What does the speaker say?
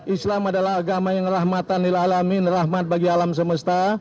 islam adalah agama yang rahmatan lillahlamin rahmat bagi alam semesta